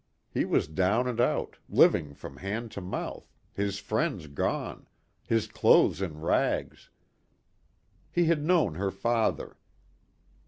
He was down and out, living from hand to mouth, his friends gone, his clothes in rags. He had known her father.